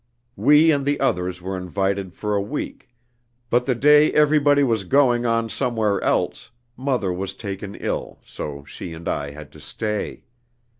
We and the others were invited for a week, but the day everybody was going on somewhere else, mother was taken ill, so she and I had to stay.